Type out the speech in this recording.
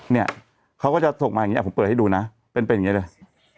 เนี่ยเขาก็จะส่งมาอย่างนี้ผมเปิดให้ดูนะเป็นอย่างนี้เลย